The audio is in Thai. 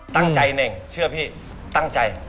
ตั้งใจนี่เองเชื่อพี่ตั้งใจ